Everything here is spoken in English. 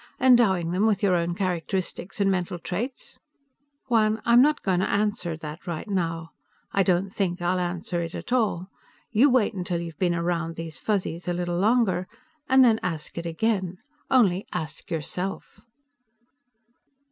Endowing them with your own characteristics and mental traits?" "Juan, I'm not going to answer that right now. I don't think I'll answer at all. You wait till you've been around these Fuzzies a little longer, and then ask it again, only ask yourself."